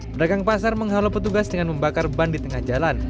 pedagang pasar menghalau petugas dengan membakar ban di tengah jalan